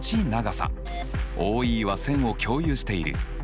ＯＥは線を共有している。